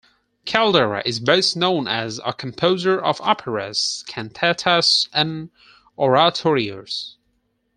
Caldara is best known as a composer of operas, cantatas and oratorios.